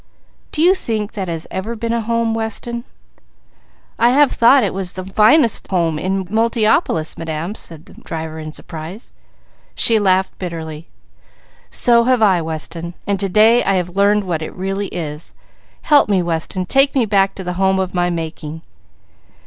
"Do you think that has ever been a home, Weston?" "I have thought it the finest home in Multiopolis, Madam," said the driver in surprise. She laughed bitterly. "So have I, Weston. And to day I have learned what it really is. Help me, Weston! Take me back to the home of my making."